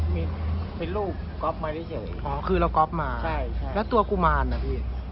มีรูปมาได้เฉยอ๋อคือเราก็มาใช่แล้วตัวกุมาลนะพี่